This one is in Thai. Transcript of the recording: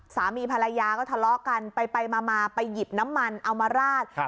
สามีภรรยาก็ทะเลาะกันไปไปมาไปหยิบน้ำมันเอามาราดครับ